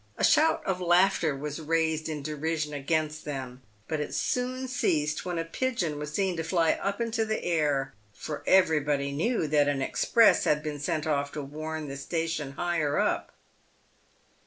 A shout of laughter was raised in derision against them, but it soon ceased when a pigeon was seen to fly up into the air, for everybody knew that an express had been sent off to warn the station higher up.